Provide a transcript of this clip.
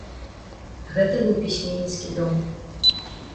Гэта быў пісьменніцкі дом.